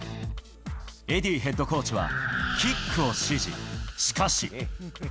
エディーヘッドコーチはキックを指示。